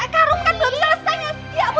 karun kan belum selesai ya